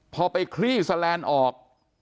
พอไปคลี่สแลนออก